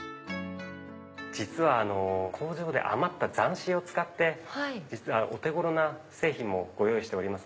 実は工場で余った残糸を使ってお手頃な製品もご用意してます